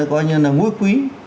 năm gọi như là ngũi quý